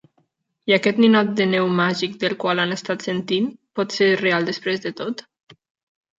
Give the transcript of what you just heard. I aquest ninot de neu màgic del qual han estat sentint pot ser real després de tot?